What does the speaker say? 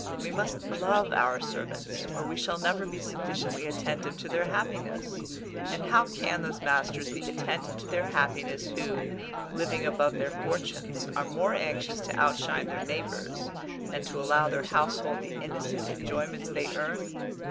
We must love our servants, or we shall never be sufficiently attentive to their happiness; and how can those masters be attentive to their happiness who, living above their fortunes, are more anxious to outshine their neighbours than to allow their household the innocent enjoyments they earn?